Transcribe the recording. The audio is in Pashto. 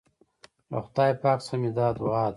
له خدای پاک څخه مي دا دعا ده